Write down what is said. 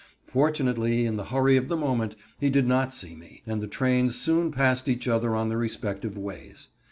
Fortunately, in the hurry of the moment, he did not see me; and the trains soon passed each other on their respective ways.